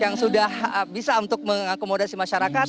yang sudah bisa untuk mengakomodasi masyarakat